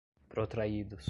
protraídos